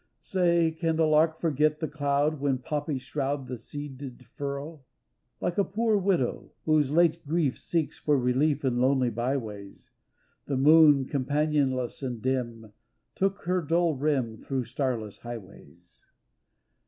Say, can the lark forget the cloud When poppies shroud the seeded furrow? THE LANAWN SHEE 287 Like a poor widow whose late grief Seeks for relief in lonely bye ways, The moon, companionless and dim. Took her dull rim through starless highways.